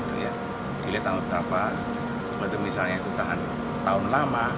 dilihat tanggal berapa misalnya itu tahan tahun lama